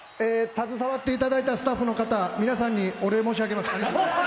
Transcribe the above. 携わっていただいたスタッフの方、皆さんにお礼申し上げます。